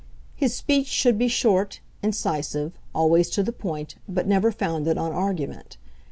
His speech should be short, incisive, always to the point, but never founded on argument.